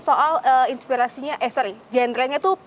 sampai jumpa di video selanjutnya